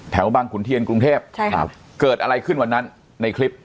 บางขุนเทียนกรุงเทพใช่ครับเกิดอะไรขึ้นวันนั้นในคลิป